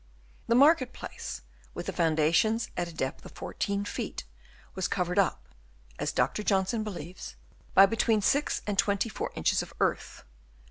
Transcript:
The market place, with the foundations at a depth of 14 feet, was covered up, as Dr. Johnson believes, by between 6 and 24 inches of earth.